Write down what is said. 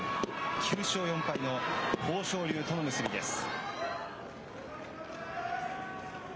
９勝４敗の豊昇龍との結びです。